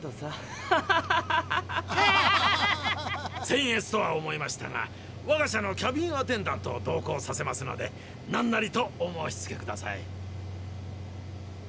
せんえつとは思いましたがわが社のキャビンアテンダントを同行させますのでなんなりとお申しつけください。